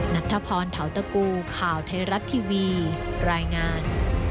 นัทธพรเทาตะกูข่าวไทยรัฐทีวีรายงาน